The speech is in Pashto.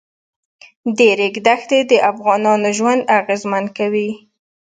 د ریګ دښتې د افغانانو ژوند اغېزمن کوي.